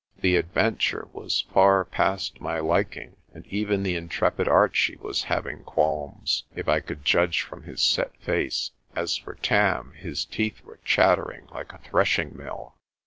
The adventure was far past my lik ing, and even the intrepid Archie was having qualms, if I could judge from his set face. As for Tarn, his teeth were chattering like a threshing mill.